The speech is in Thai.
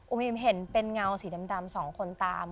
เห็นเป็นเงาสีดำสองคนตาม